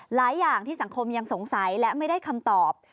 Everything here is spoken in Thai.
หลายอย่างที่สังคมยังสงสัยและไม่ได้คำตอบ